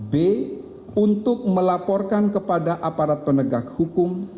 b untuk melaporkan kepada aparat penegak hukum